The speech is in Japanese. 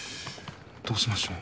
どうしましょう。